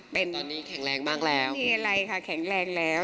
เป็นตอนนี้แข็งแรงมากแล้วไม่มีอะไรค่ะแข็งแรงแล้ว